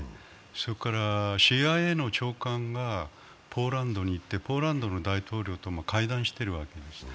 それからＣＩＡの長官がポーランドに行ってポーランドの大統領とも会談しているわけです。